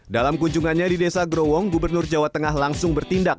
dalam kunjungannya di desa growong gubernur jawa tengah langsung bertindak